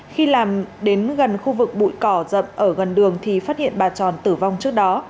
khi làm đến gần khu vực bụi cỏ dậm ở gần đường thì phát hiện bà tròn tử vong trước đó